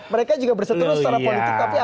mereka juga berseturut secara politik tapi